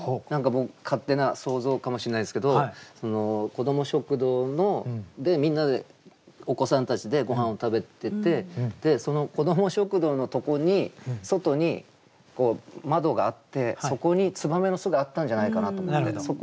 何か僕勝手な想像かもしれないんですけどその子ども食堂でみんなでお子さんたちでごはんを食べててその子ども食堂のとこに外にこう窓があってそこに燕の巣があったんじゃないかなと思って。